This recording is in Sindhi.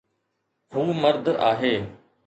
هو مرد آهي